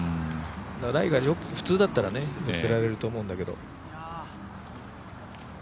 ライが普通だったら寄せられると思うんだけど。